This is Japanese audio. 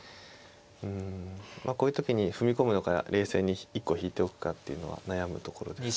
うんまあこういう時に踏み込むのか冷静に一個引いておくかっていうのは悩むところです。